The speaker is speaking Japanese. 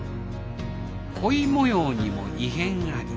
恋模様にも異変あり。